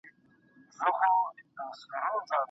د نکاح شرايط بايد په پوره غور وسنجول سي.